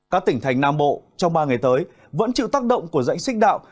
các tỉnh thành nam bộ trong ba ngày tới vẫn chịu tác động của dãnh xích đạo